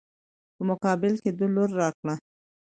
په مقابل کې د لور راکړه.